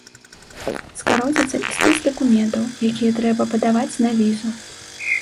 Скароціцца і спіс дакументаў, якія трэба падаваць на візу.